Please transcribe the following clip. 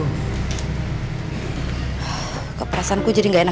hai keperasanku jadi enak gini ya